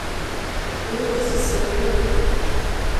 Ingo zisenyuka